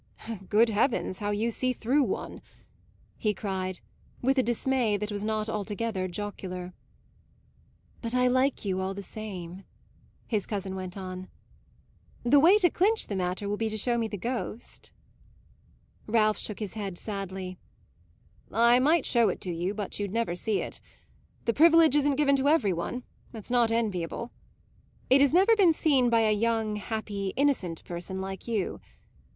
"Good heavens, how you see through one!" he cried with a dismay that was not altogether jocular. "But I like you all the same," his cousin went on. "The way to clinch the matter will be to show me the ghost." Ralph shook his head sadly. "I might show it to you, but you'd never see it. The privilege isn't given to every one; it's not enviable. It has never been seen by a young, happy, innocent person like you.